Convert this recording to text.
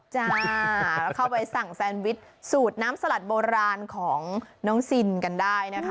จ้าเข้าไปสั่งแซนวิชสูตรน้ำสลัดโบราณของน้องซินกันได้นะคะ